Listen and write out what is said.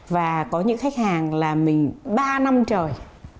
và có những khách hàng là mình ba năm trời